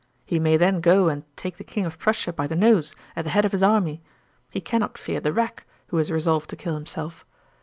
He may then go and take the King of Prussia by the nose, at the head of his army. He cannot fear the rack, who is resolved to kill himself.